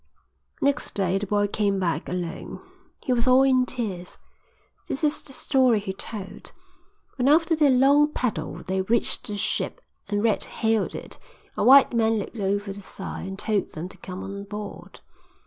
"Next day the boy came back alone. He was all in tears. This is the story he told. When after their long paddle they reached the ship and Red hailed it, a white man looked over the side and told them to come on board.